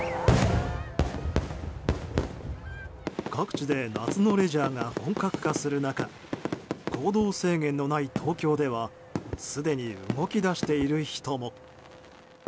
各地で夏のレジャーが本格化する中行動制限のない東京ではすでに動き出している人も。